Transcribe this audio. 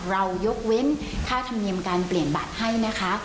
ยกเว้นค่าธรรมเนียมการเปลี่ยนบัตรให้นะคะ